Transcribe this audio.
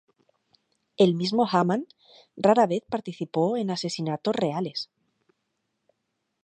El mismo Hamann rara vez participó en asesinatos reales.